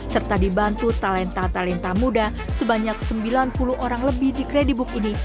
serta dibantu talenta talenta muda sebanyak sembilan puluh orang lebih di kredibook ini